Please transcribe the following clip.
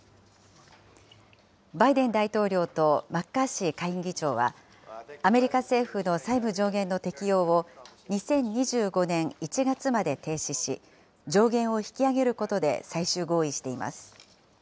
バイデン大統領とマッカーシー下院議長は、アメリカ政府の債務上限の適用を２０２５年１月まで停止し、上限を引き上げることで最終合意しています。